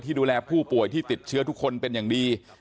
ดูแลผู้ป่วยที่ติดเชื้อทุกคนเป็นอย่างดี